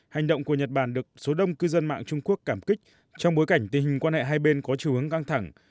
hành động của nhật bản được số đông cư dân mạng trung quốc cảm kích trong bối cảnh tình hình quan hệ hai bên có chiều hướng căng thẳng